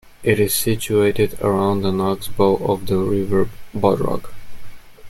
It is situated around an oxbow of the River Bodrog.